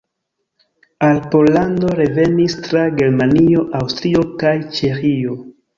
Al Pollando revenis tra Germanio, Aŭstrio kaj Ĉeĥio.